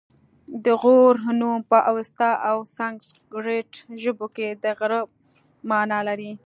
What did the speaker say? د غور نوم په اوستا او سنسګریت ژبو کې د غره مانا لري